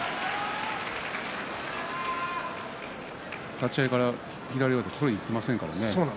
立ち合いから左の上手取りに行ってませんからね。